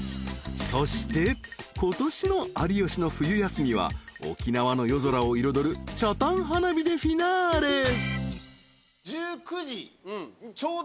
［そして今年の『有吉の冬休み』は沖縄の夜空を彩る北谷花火でフィナーレ］